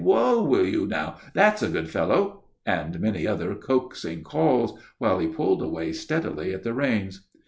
Whoa, will you now, that's a good fellow!" and many other coaxing calls, while he pulled away steadily at the reins.